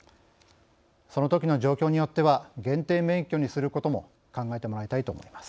そのときの状況によっては限定免許にすることも考えてもらいたいと思います。